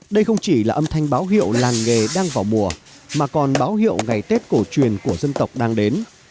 đây không chỉ là âm thanh báo hiệu làng nghề đang vào mùa mà còn báo hiệu ngày tết cổ truyền của dân tộc đang đến